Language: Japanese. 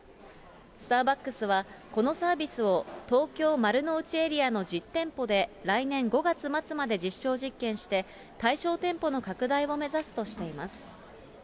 スターバックスは、このサービスを東京・丸の内エリアの１０店舗で来年５月末まで実証実験して、対象店舗の拡大を目指すとしています。